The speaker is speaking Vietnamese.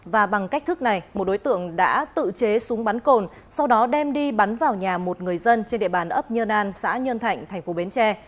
và bằng cách thức này một đối tượng đã tự chế súng bắn cồn sau đó đem đi bắn vào nhà một người dân trên địa bàn ấp nhơn an xã nhân thạnh tp bến tre